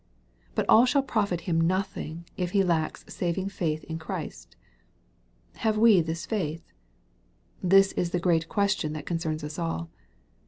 But all shall profit him nothing if he lacks saving faith in Christ. Have we this faith ? This is the great question that concerns us all.